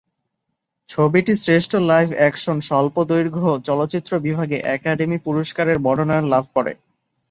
ছবিটি শ্রেষ্ঠ live action স্বল্পদৈর্ঘ্য চলচ্চিত্র বিভাগে একাডেমি পুরস্কারের মনোনয়ন লাভ করে।